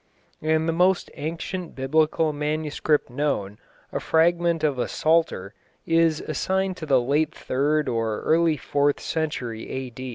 and the most ancient Biblical manuscript known, a fragment of a Psalter, is assigned to the late third or early fourth century A.